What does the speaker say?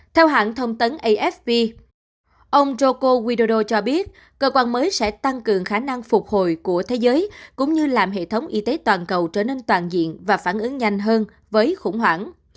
theo hãng thông tấn afp ông joko widodo cho biết cơ quan mới sẽ tăng cường khả năng phục hồi của thế giới cũng như làm hệ thống y tế toàn cầu trở nên toàn diện và phản ứng nhanh hơn với khủng hoảng